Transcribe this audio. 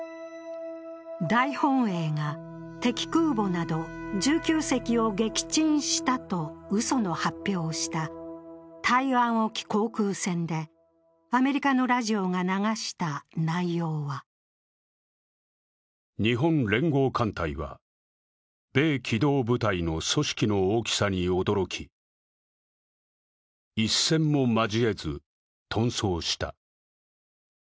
大本営が敵空母など１９隻を撃沈したとうその発表をした台湾沖航空戦でアメリカのラジオが流した内容は日本連合艦隊は米機動部隊の組織の大きさに驚き一戦も交えず、とん走した。